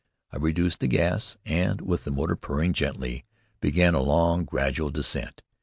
I reduced the gas, and, with the motor purring gently, began a long, gradual descent.